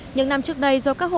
những năm trước đây do các hộ